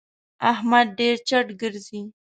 احمد ډېر چټ ګرځي.